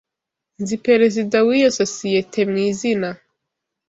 Nzi perezida wiyo sosiyete mwizina.